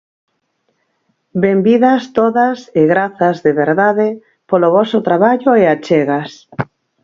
Benvidas todas e grazas, de verdade, polo voso traballo e achegas.